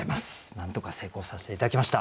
なんとか成功させて頂きました。